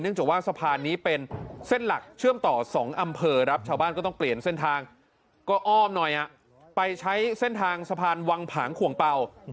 จากว่าสะพานนี้เป็นเส้นหลักเชื่อมต่อ๒อำเภอครับชาวบ้านก็ต้องเปลี่ยนเส้นทางก็อ้อมหน่อยไปใช้เส้นทางสะพานวังผางขวงเป่า